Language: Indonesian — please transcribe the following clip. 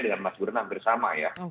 dengan mas buhan hampir sama ya